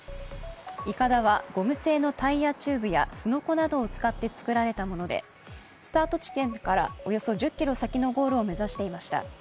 いかだはゴム製のタイヤチューブやすのこなどを使って作られたものでスタート地点からおよそ１０ｋｍ先のゴールを目指していました。